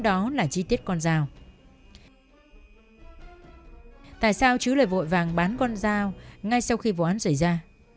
tại sao chứ lại vội vàng bán con dao ngay sau khi vụ án xảy ra